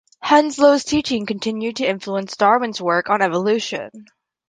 Henslow's teaching continued to influence Darwin's work on evolution.